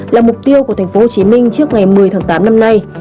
là mục tiêu của tp hcm trước ngày một mươi tháng tám năm nay